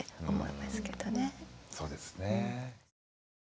そうですね。